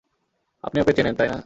আপনি ওকে চেনেন, তাই না?